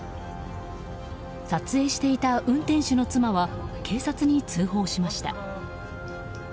撮影していた運転手の妻は警察に通報しました。